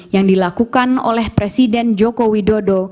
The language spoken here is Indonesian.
yang dilakukan oleh presiden joko widodo